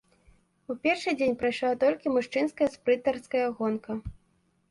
У першы дзень прайшла толькі мужчынская спрынтарская гонка.